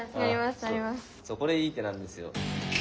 これいい手なんですよ。